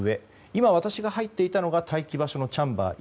今、私が入っていたのが待機場所のチャンバー１。